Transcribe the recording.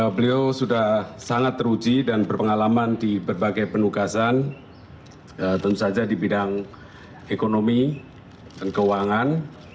beliau sudah sangat teruji dan berpengalaman di berbagai penugasan tentu saja di bidang ekonomi dan keuangan